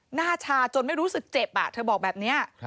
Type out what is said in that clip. หน้าชาจนไม่รู้สึกเจ็บเธอบอกแบบนี้